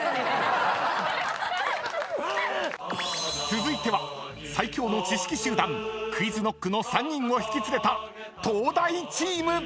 ［続いては最強の知識集団ＱｕｉｚＫｎｏｃｋの３人を引き連れた東大チーム！］